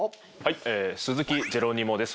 鈴木ジェロニモです